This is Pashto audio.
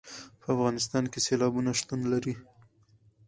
په افغانستان کې سیلابونه شتون لري.